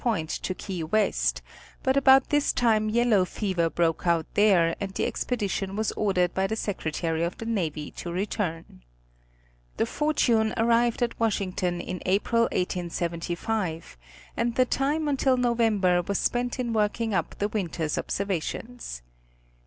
point to Key West, but about this time yellow fever broke out there and the expedition was ordered by the Secretary of the Navy to return. The Fortune Telegraphic Determinations of Longitude. 13 arrived at Washington in April, 1875, and the time until November was spent in working up the winter's observations.